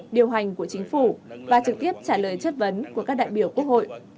điều hành của chính phủ và trực tiếp trả lời chất vấn của các đại biểu quốc hội